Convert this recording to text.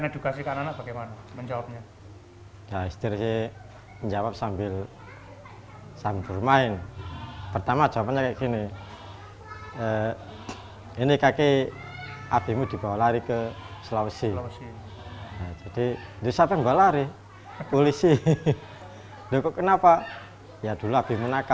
di sini anak anak teroris yang terlalu banyak